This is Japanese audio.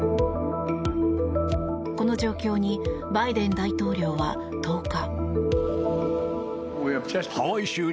この状況にバイデン大統領は１０日。